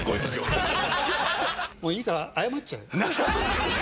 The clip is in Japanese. もういいから謝っちゃえよ。